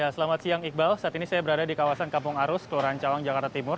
selamat siang iqbal saat ini saya berada di kawasan kampung arus keluaran cawang jakarta timur